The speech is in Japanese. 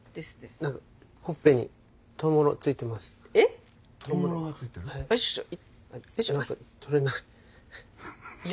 何か取れない。